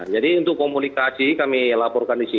jadi untuk komunikasi kami laporkan disini